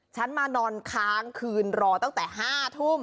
ฉันมานอนค้างคืนรอตั้งแต่๕ทุ่ม